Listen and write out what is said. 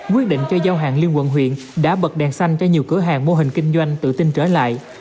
quyết định cho giao hàng liên quận huyện đã bật đèn xanh cho nhiều cửa hàng mô hình kinh doanh tự tin trở lại